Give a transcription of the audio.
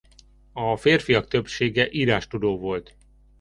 A férfiak többsége írástudó volt.